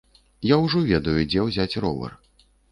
Я ўжо ведаю, дзе ўзяць ровар.